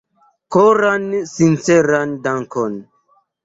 Koran sinceran dankon!